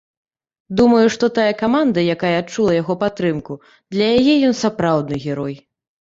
Думаю, што тая каманда, якая адчула яго падтрымку, для яе ён сапраўды герой.